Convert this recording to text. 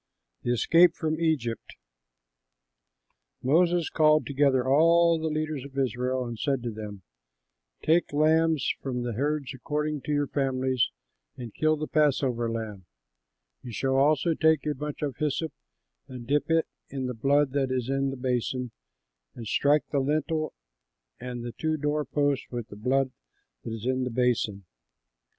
THE ESCAPE FROM EGYPT Moses called together all the leaders of Israel, and said to them, "Take lambs from the herds according to your families and kill the passover lamb. You shall also take a bunch of hyssop and dip it in the blood that is in the basin and strike the lintel and the two door posts with the blood that is in the basin.